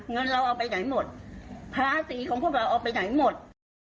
เงินเราเอาไปไหนหมดภาษีของพวกเราเอาไปไหนหมด